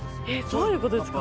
どういうことですか？